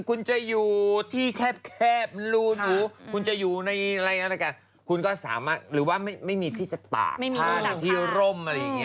คุณจะอยู่ที่แคลปรูดฺัดคุณจะอยู่ว่าไม่มีที่จะตากผ้า